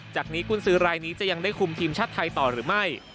จากนี้กุญสือรายนี้จะยังได้คุมทีมชาติไทยต่อหรือไม่